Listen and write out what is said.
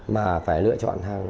mà phải lựa chọn